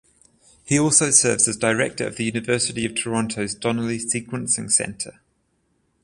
He also serves as Director of the University of Toronto’s Donnelly Sequencing Centre.